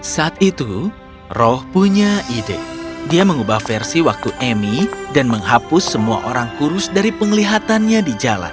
saat itu roh punya ide dia mengubah versi waktu emi dan menghapus semua orang kurus dari penglihatannya di jalan